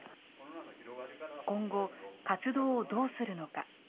今後、活動をどうするのか。